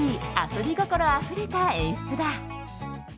遊び心あふれた演出だ。